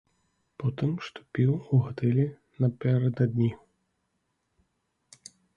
Потым, што піў ў гатэлі напярэдадні.